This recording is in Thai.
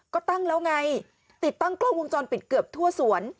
ก็ตั้งแล้วไงติดตั้งกล้องวงจรปิดเกือบทั่วสวน